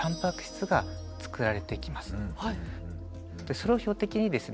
それを標的にですね